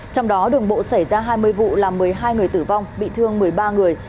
trong đó đường bộ xảy ra hai mươi vụ làm một mươi hai người tử vong bị thương một mươi ba người